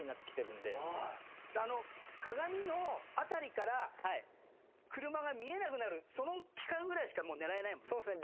あの鏡のあたりから車が見えなくなるその期間ぐらいしかもう狙えないもんね。